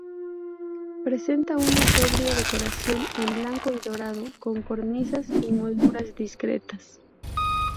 Presenta una sobria decoración en blanco y dorado con cornisas y molduras discretas.